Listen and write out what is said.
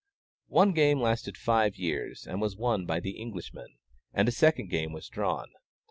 One game lasted five years, and was won by the Englishmen, and a second game was drawn.